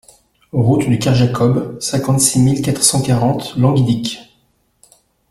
Route de Kerjacob, cinquante-six mille quatre cent quarante Languidic